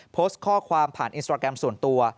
โพสต์ข้อความผ่านอินสตราแกรมส่วนตัว